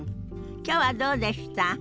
きょうはどうでした？